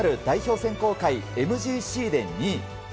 選考会・ＭＧＣで２位。